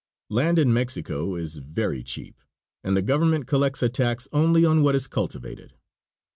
Land in Mexico is very cheap, and the Government collects a tax only on what is cultivated.